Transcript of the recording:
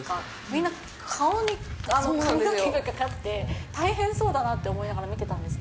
みんな、顔に髪の毛がかかって、大変そうだなと思いながら、見てたんです